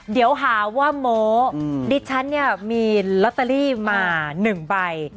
เดี๋ยวหาว่าโม้ดิฉันเนี่ยมีลอตเตอรี่มา๑ใบ